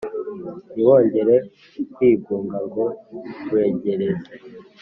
ntiwongere kwigunga ngo wegereze